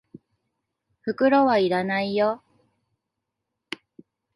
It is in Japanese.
袋は要らないよ。